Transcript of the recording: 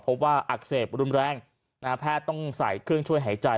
เพราะว่าอักเสบรุ่นแรงแพทย์ต้องใส่เครื่องช่วยหายใจ